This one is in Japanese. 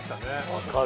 分かる。